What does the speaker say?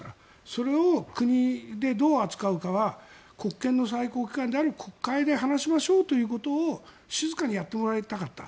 それを国でどう扱うかは国権の最高機関である国会で話しましょうということを静かにやってもらいたかった。